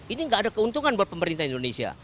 ini nggak ada keuntungan buat pemerintah indonesia